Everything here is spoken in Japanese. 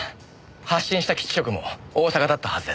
発信した基地局も大阪だったはずです。